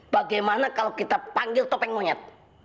bagaimana kalau kita panggil topeng monyet